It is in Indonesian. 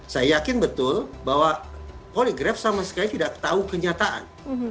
saya yakin betul bahwa poligraf sama sekali tidak tahu kenyataan